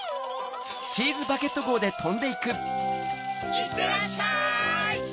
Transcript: いってらっしゃい！